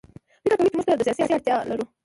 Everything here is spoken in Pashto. فکر کوي چې موږ ده ته سیاسي اړتیا لرو.